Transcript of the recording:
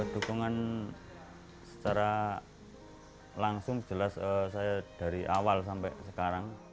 dukungan secara langsung jelas saya dari awal sampai sekarang